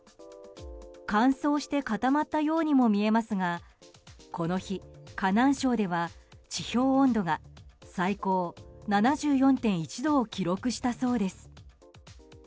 乾燥して固まったようにも見えますがこの日、河南省では地表温度が最高７４．１度を記録したそうです。